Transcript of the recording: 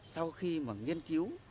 sau khi mà nghiên cứu